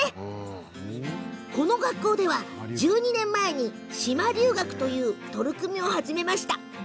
この学校では、１２年前に島留学という取り組みをスタート。